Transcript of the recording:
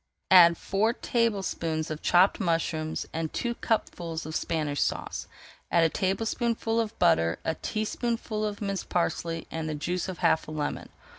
Add four tablespoonfuls of chopped mushrooms, and two cupfuls of Spanish Sauce. Add a tablespoonful of butter, a teaspoonful of minced parsley, and the juice of half a lemon.